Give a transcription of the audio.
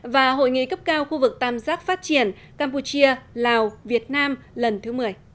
và hội nghị cấp cao khu vực tam giác phát triển campuchia lào việt nam lần thứ một mươi